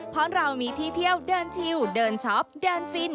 เพราะเรามีที่เที่ยวเดินชิวเดินช็อปเดินฟิน